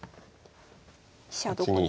飛車どこに。